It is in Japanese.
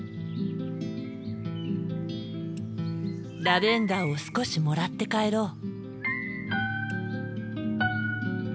ラベンダーを少しもらって帰ろう。